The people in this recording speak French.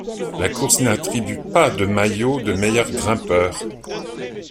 La course n'attribue pas de maillot de meilleur grimpeur.